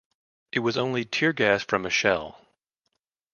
It was only tear-gas from a shell.